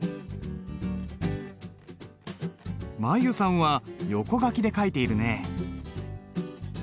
舞悠さんは横書きで書いているね。